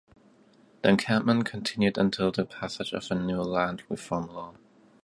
The encampment continued until the passage of a new land reform law.